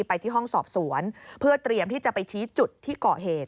ไปที่ห้องสอบสวนเพื่อเตรียมที่จะไปชี้จุดที่ก่อเหตุ